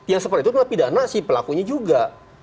yang seperti itu itu kena pidana sih pelakunya juga